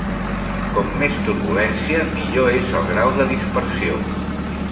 Com més turbulència, millor és el grau de dispersió.